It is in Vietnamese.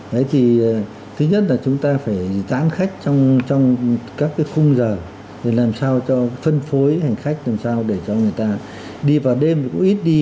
đấy thì thứ nhất là chúng ta phải dán khách trong các cái khung giờ để làm sao cho phân phối hành khách làm sao để cho người ta đi vào đêm thì cũng ít đi